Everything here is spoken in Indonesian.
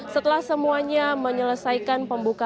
setelah semuanya menyelesaikan pembukaan